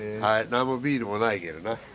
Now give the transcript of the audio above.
何もビールもないけどな。